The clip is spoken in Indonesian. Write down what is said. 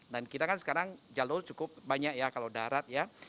dan kita kan sekarang jalur cukup banyak ya kalau darat ya